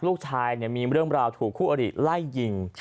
ลูกชายมีเรื่องราวถูกคู่อริไล่ยิง